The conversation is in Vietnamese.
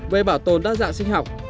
về bảo tồn đa dạng sinh học